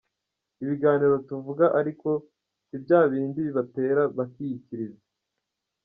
Ibiganiro tuvuga aliko si bya bindi batera bakiyikiriza.